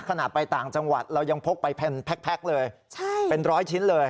ขนาดไปต่างจังหวัดเรายังพกไปแพ็คเลยเป็นร้อยชิ้นเลย